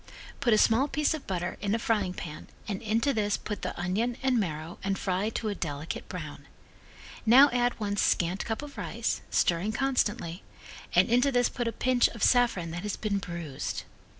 Put a small piece of butter in a frying pan and into this put the onion and marrow and fry to a delicate brown. Now add one scant cup of rice, stirring constantly, and into this put a pinch of saffron that has been bruised.